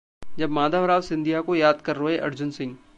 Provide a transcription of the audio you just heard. जब माधवराव सिंधिया को याद कर रोए अर्जुन सिंह